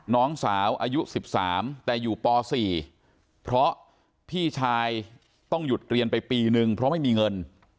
น้องสาวอายุ๑๓แต่อยู่ป๔เพราะพี่ชายต้องหยุดเรียนไปปีนึงเพราะไม่มีเงิน